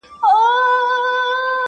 یو سړی وو یو یې سپی وو یو یې خروو.!